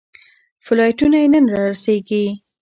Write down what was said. فلایټونه یې نن رارسېږي.